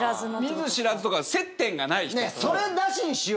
見ず知らずとか接点がない人。